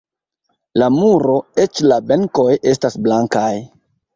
La muro, eĉ la benkoj estas blankaj.